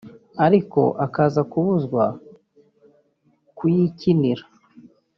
ariko akaza kubuzwa kuyikinira